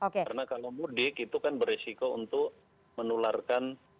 karena kalau mudik itu kan beresiko untuk menularkan